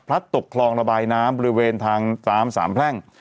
ตกคลองระบายน้ำบริเวณทางฟาร์มสามแพร่ง